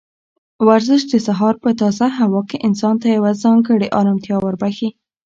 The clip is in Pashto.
ورزش د سهار په تازه هوا کې انسان ته یوه ځانګړې ارامتیا وربښي.